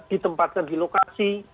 ditempatkan di lokasi